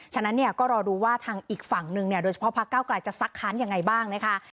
ฉะนั้นก็รอดูว่าทางอีกฝั่งนึงโดยเฉพาะพระเก้ากลายจะซักค้านยังไงบ้าง